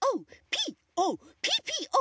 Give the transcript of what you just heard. ＰＯＰＰＯ！